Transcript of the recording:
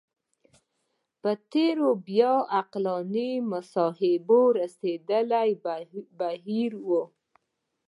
په تېره بیا عقلاني مباحثو رسېدلی بهیر و